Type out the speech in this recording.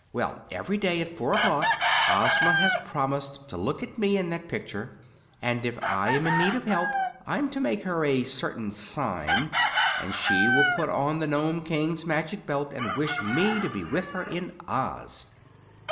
Well, every day at four o'clock Ozma has promised to look at me in that picture, and if I am in need of help I am to make her a certain sign and she will put on the Nome King's Magic Belt and wish me to be with her in Oz."